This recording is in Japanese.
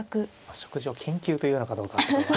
食事を研究というのかどうかはちょっと。